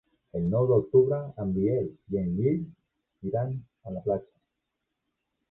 El nou d'octubre en Biel i en Gil iran a la platja.